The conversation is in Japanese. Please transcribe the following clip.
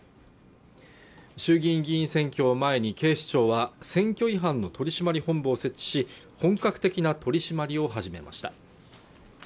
衆議院議員選挙を前に警視庁は選挙違反の取締本部を設置し本格的な取締りを始めました